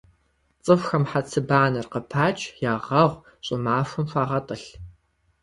ЦӀыхухэм хьэцыбанэр къыпач, ягъэгъу, щӀымахуэм хуагъэтӀылъ.